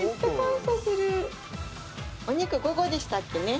お肉５個でしたっけね？